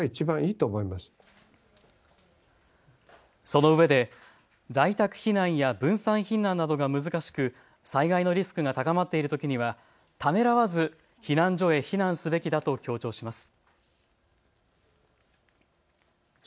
そのうえで在宅避難や分散避難などが難しく、災害のリスクが高まっているときには、ためらわず避難所へ避難すべきだと強調します。